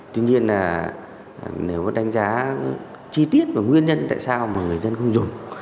tuy nhiên là nếu đánh giá chi tiết và nguyên nhân tại sao mà người dân không dùng